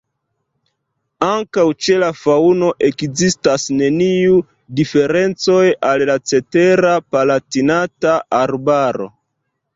Ankaŭ ĉe la faŭno ekzistas neniu diferencoj al la cetera Palatinata Arbaro.